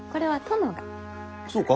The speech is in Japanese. そうか？